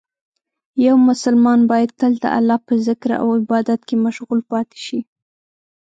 یو مسلمان باید تل د الله په ذکر او عبادت کې مشغول پاتې شي.